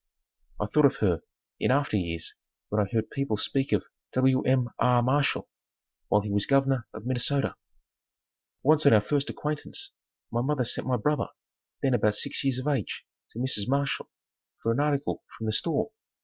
I thought of her in after years when I heard people speak of Wm. R. Marshall while he was Governor of Minnesota. Once on our first acquaintance, my mother sent my brother, then about six years of age, to Mrs. Marshall for an article from the store.